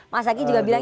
mas adi juga bilang